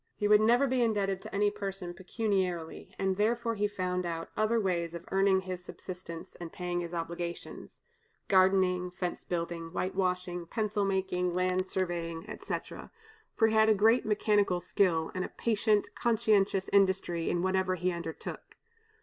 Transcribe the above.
He would never be indebted to any person pecuniarily, and therefore he found out other ways of earning his subsistence and paying his obligations, gardening, fence building, white washing, pencil making, land surveying, etc., for he had great mechanical skill, and a patient, conscientious industry in whatever he undertook.